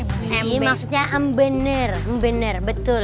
mbengki maksudnya mbener mbener betul